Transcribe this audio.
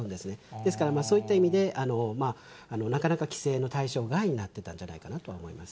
ですから、そういった意味で、なかなか規制の対象外になってたんじゃないかなと思います。